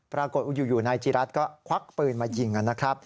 ปรากฏอยู่นายจีรัฐก็ควักปืนมายิงนะครับ